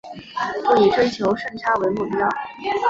不以追求顺差为目标